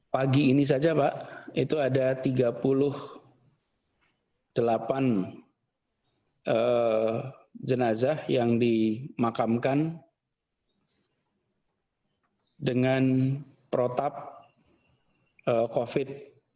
pagi ini saja pak itu ada tiga puluh delapan jenazah yang dimakamkan dengan protap covid sembilan belas